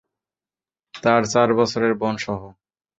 তাঁর চার বছরের বোন সহ।